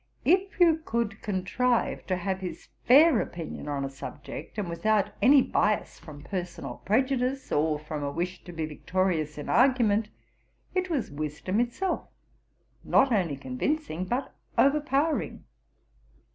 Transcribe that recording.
If you could contrive to have his fair opinion on a subject, and without any bias from personal prejudice, or from a wish to be victorious in argument, it was wisdom itself, not only convincing, but overpowering.'